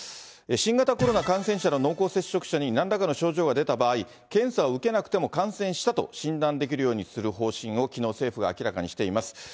新型コロナ感染者の濃厚接触者になんらかの症状が出た場合、検査を受けなくても感染したと診断できるようにする方針をきのう、政府が明らかにしています。